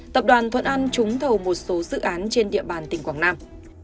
tập đoàn thuận an trúng thầu một số dự án trên địa bàn tỉnh quảng nam